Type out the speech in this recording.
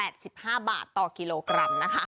แล้วก็ชมพูทัพทิมจัน๘๕บาทต่อกิโลกรัม